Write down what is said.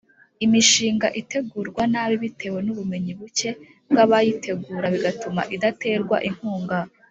imishinga itegurwa nabi bitewe n’ubumenyi buke bw’abayitegura bigatuma idaterwa inkunga